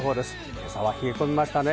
今朝は冷え込みましたね。